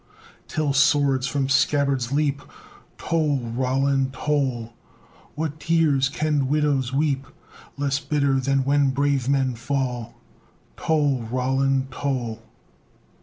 Till swords from scabbards leap! Toll! Roland, toll! What tears can widows weep Less bitter than when brave men fall? Toll! Roland, toll!